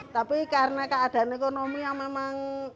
tapi karena keadaan ekonomi yang memang